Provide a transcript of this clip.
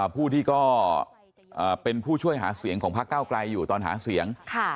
ผู้ที่ก็เป็นผู้ช่วยหาเสียงของพักเก้าไกลอยู่ตอนหาเสียง